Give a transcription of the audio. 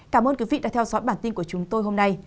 cảm ơn quý vị đã theo dõi bản tin của chúng tôi hôm nay